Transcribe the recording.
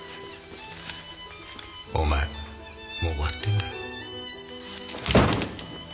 お前もう終わってんだよ。